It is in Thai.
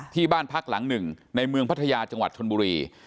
ที่บ้านพักหลังหนึ่งในเมืองพัทยาจังหวัดชนบุรี